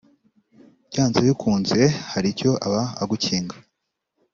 byanze bikunze hari icyo aba agukinga